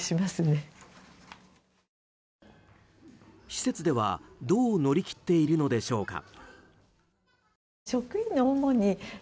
施設では、どう乗り切っているのでしょうか。